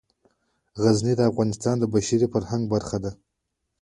غزني د افغانستان د بشري فرهنګ برخه ده.